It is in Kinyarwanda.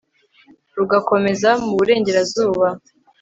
rugakomeza mu burengerazuba